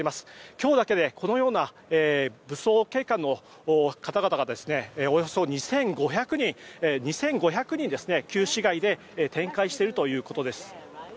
今日だけでこのような武装警官の方々がおよそ２５００人、旧市街で展開しているということです。